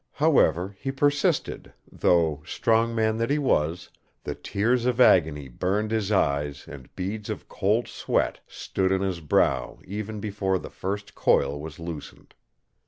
However, he persisted, though, strong man that he was, the tears of agony burned his eyes and beads of cold sweat stood on his brow even before the first coil was loosened.